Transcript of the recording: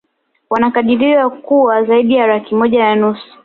Wanakadiriwa kuwa zaidi ya laki moja na nusu